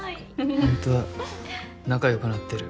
ほんとだ仲良くなってる。